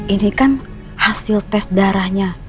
ini kan hasil tes darahnya